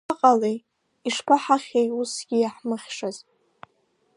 Ишԥаҟалеи, ишԥаҳахьи усгьы иаҳмыхьшаз…